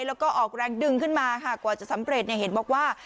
แล้วก็ออกแรงดึงขึ้นมาค่ะกว่าจะสำเร็จเห็นบอกว่า